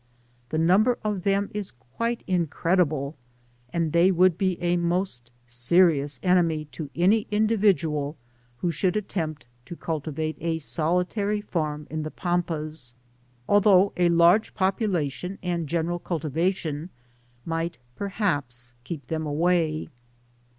The number of them is quite incredible, and they would be a most serious enemy to any in dividual who should attempt to cultivate a solitary farm in the Pampas — although a large population and general cultivation might perhaps keep them away.